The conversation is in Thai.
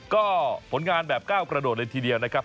ก็ผลงานแบบก้าวกระโดดเลยทีเดียวนะครับ